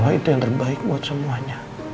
itu yang terbaik buat semuanya